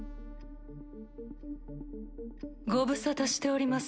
ご無沙汰しております